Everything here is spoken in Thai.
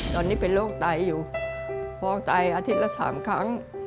ตอนนี้เป็นโรคไตอยู่มองไตอาทิตย์ละ๓ครั้ง